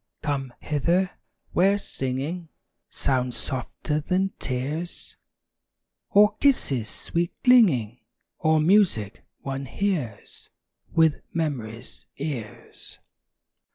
Come hither, where singing Sounds softer than tears, Or kisses, sweet clinging, Or music one hears With memory's ears.